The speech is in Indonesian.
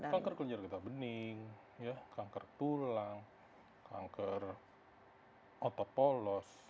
kanker kelenjar getah bening kanker tulang kanker otopolos